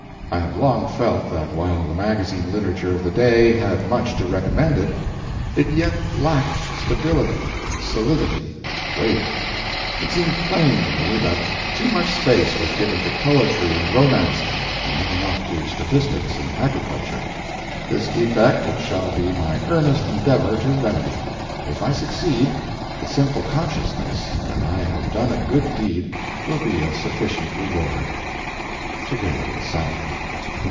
I have long felt that while the magazine literature of the day had much to recommend it, it yet lacked stability, solidity, weight. It seemed plain to me that too much space was given to poetry and romance, and not enough to statistics and agriculture. This defect it shall be my earnest endeavour to remedy. If I succeed, the simple consciousness that I have done a good deed will be a sufficient reward. [Together with salary.